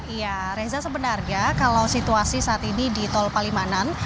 iya reza sebenarnya kalau situasi saat ini di tol palimanan